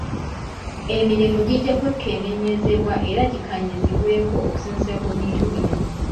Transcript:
Emirimu gijja kwekenneenyezebwa era gikkaanyizibweko okusinziira ku bintu bino.